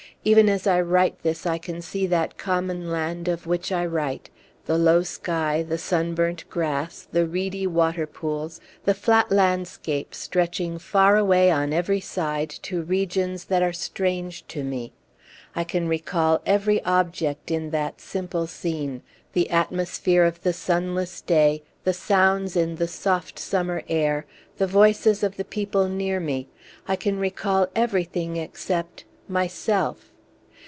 Even as I write this I can see that common land of which I write the low sky, the sunburnt grass, the reedy water pools, the flat landscape stretching far away on every side to regions that are strange to me. I can recall every object in that simple scene the atmosphere of the sunless day, the sounds in the soft summer air, the voices of the people near me; I can recall everything except myself.